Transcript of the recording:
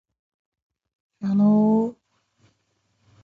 However, this more complex architecture may actually never materialize.